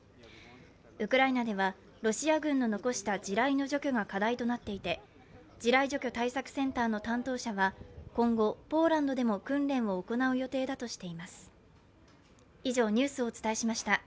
ウクライナではロシア軍の残した地雷の除去が課題となっていて、地雷除去対策センターの担当者は今後、ポーランドでも訓練を行う予定だとしています。